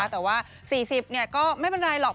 แต่ว่า๔๐ก็ไม่เป็นไรหรอก